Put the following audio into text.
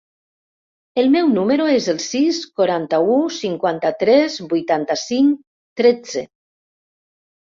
El meu número es el sis, quaranta-u, cinquanta-tres, vuitanta-cinc, tretze.